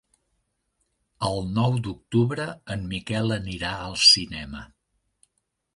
El nou d'octubre en Miquel anirà al cinema.